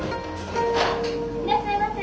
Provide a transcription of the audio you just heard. いらっしゃいませ。